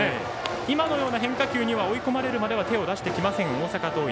今のような変化球には追い込まれるまでは手を出してきません、大阪桐蔭。